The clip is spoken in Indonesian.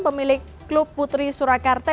pemilik klub putri surakarta